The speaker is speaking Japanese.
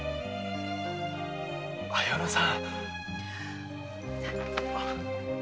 綾乃さん。